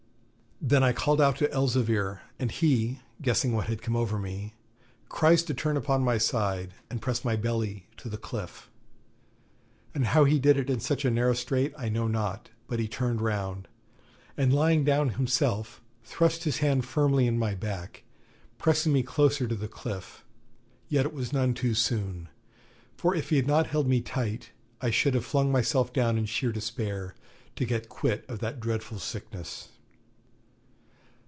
Then I called out to Elzevir, and he, guessing what had come over me, cries to turn upon my side, and press my belly to the cliff. And how he did it in such a narrow strait I know not; but he turned round, and lying down himself, thrust his hand firmly in my back, pressing me closer to the cliff. Yet it was none too soon, for if he had not held me tight, I should have flung myself down in sheer despair to get quit of that dreadful sickness.